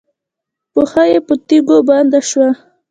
پښه یې په تيږو بنده شوه.